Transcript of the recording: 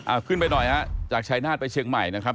เอาขึ้นไปหน่อยฮะจากชายนาฏไปเชียงใหม่นะครับ